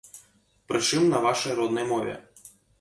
Прычым, на вашай роднай мове.